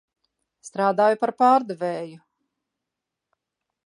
Strādāju par pārdevēju.